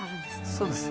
そうです。